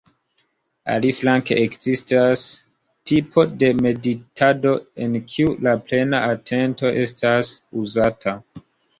Aliflanke ekzistas tipo de meditado en kiu la "plena atento estas uzata".